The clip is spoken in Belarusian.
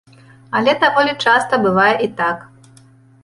Але даволі часта бывае і так.